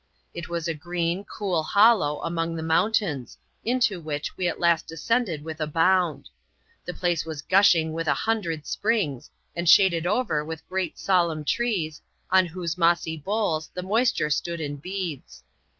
It was a green, cool hollow among the mountains, into which we at last descended with a bound. The place was gushing with a hundred springs, and shaded over with great solemn trees, on whose mossy boles the moisture stood in beads.